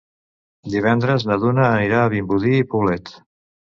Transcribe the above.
Divendres na Duna anirà a Vimbodí i Poblet.